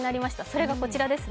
それがこちらです。